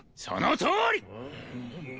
そのとおり！